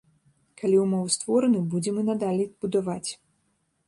Калі ўмовы створаны, будзем і надалей будаваць.